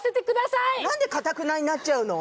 なんでかたくなになっちゃうの？